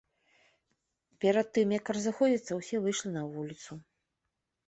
Перад тым як разыходзіцца, усе выйшлі на вуліцу.